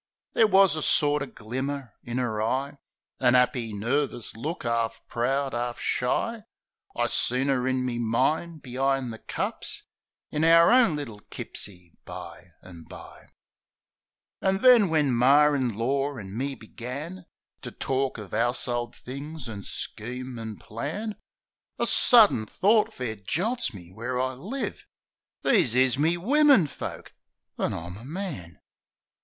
There wus a sorter glimmer in 'er eye. An 'appy, nervis look, 'arf proud, 'arf shy; I seen 'er in me mind be'ind the cups In our own little kipsie, bye an' bye. An' then when Mar in lor an' me began To tork of 'ouse'old things an' scheme an' plan, A sudden thort fair jolts me where I live: "These is my wimmin folk! An' I'm a man!'